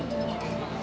gak ada apa apa